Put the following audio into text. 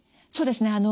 そうですね。